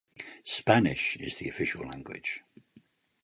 Spanish is the official language.